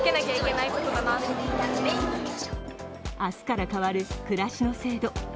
明日から変わる暮らしの制度。